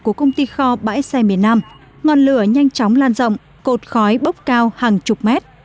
của công ty kho bãi xe miền nam ngọn lửa nhanh chóng lan rộng cột khói bốc cao hàng chục mét